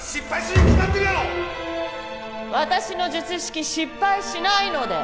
私の術式失敗しないので！